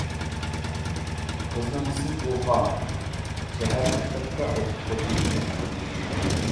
قىزنىڭ ئىسمى تۇخان، شەھەر مەكتەپتە ئوقۇتقۇچى ئىكەن.